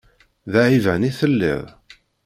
D aɛiban i telliḍ?